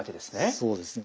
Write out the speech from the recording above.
そうですね。